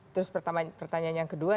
terus pertanyaan yang kedua